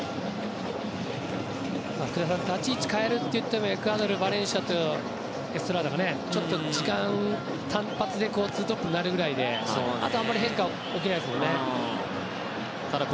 福田さん立ち位置を変えるといってもエクアドルバレンシアとエストラーダがちょっと時間、単発で２トップになるぐらいであとはあんまり変化が起きないですよね。